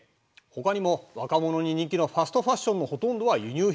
ほかにも若者に人気のファストファッションのほとんどは輸入品だ。